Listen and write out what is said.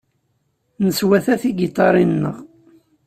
Neswata tigiṭarin-nneɣ.